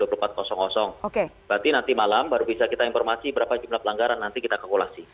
berarti nanti malam baru bisa kita informasi berapa jumlah pelanggaran nanti kita kalkulasi